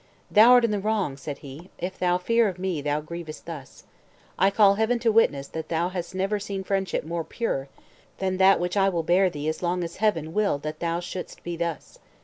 "Thou art in the wrong," said he, "if through fear of me thou grievest thus. I call Heaven to witness that thou hast never seen friendship more pure than that which I will bear thee as long as Heaven will that thou shouldst be thus.